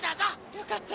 よかった。